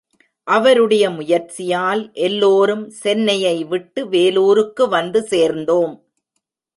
அவருடைய முயற்சியால் எல்லோரும் சென்னையை விட்டு வேலூருக்கு வந்து சேர்ந்தோம்.